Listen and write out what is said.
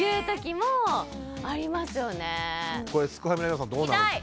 これすくファミの皆さんどうなんですか。